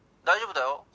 大丈夫だよ